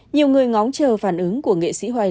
nhiều người ngóng chờ phản ứng của nghệ sĩ hoành